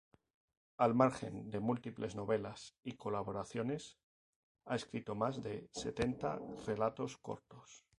Al margen de múltiples novelas y colaboraciones, ha escrito más de setenta relatos cortos.